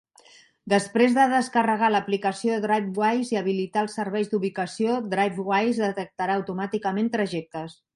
Després de descarregar l'aplicació Drivewise i habilitar els serveis d'ubicació, Drivewise detectarà automàticament trajectes.